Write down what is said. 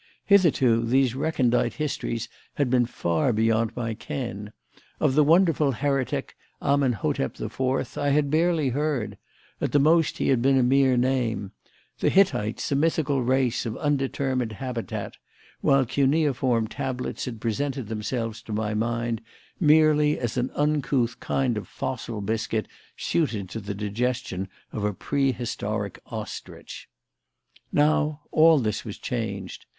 Hitherto, these recondite histories had been far beyond my ken. Of the wonderful heretic, Amenhotep the Fourth, I had barely heard at the most he had been a mere name; the Hittites a mythical race of undetermined habitat; while cuneiform tablets had presented themselves to my mind merely as an uncouth kind of fossil biscuit suited to the digestion of a pre historic ostrich. Now all this was changed.